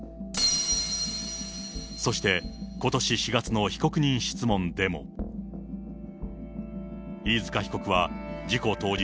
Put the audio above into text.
そしてことし４月の被告人質問でも、飯塚被告は事故当日、